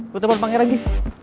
gue temen pangeran lagi